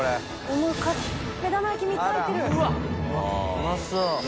うまそう。